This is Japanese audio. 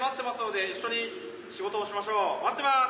待ってます！